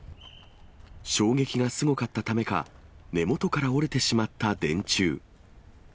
衝撃がすごかったためか、根元から折れてしまった電柱。